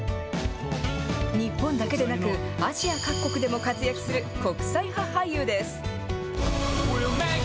日本だけでなく、アジア各国でも活躍する国際派俳優です。